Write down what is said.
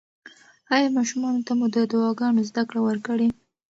ایا ماشومانو ته مو د دعاګانو زده کړه ورکړې؟